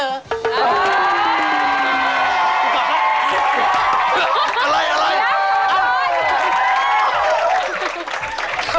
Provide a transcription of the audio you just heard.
ขอบคุณครับ